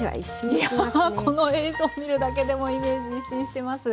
いやこの映像を見るだけでもイメージ一新してます。